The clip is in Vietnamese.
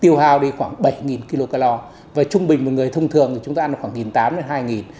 tiêu hào đi khoảng bảy kilocalor và trung bình một người thông thường thì chúng ta ăn khoảng một tám trăm linh đến hai